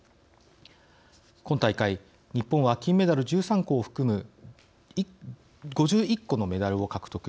今大会、日本は金メダル１３個を含む５１個のメダルを獲得。